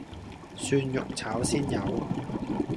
蒜蓉炒鮮魷